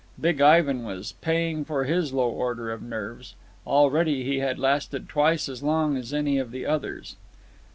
Big Ivan was paying for his low order of nerves. Already he had lasted twice as long as any of the others.